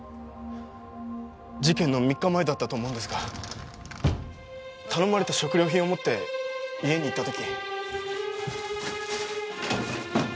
事件の３日前だったと思うんですが頼まれた食料品を持って家に行った時。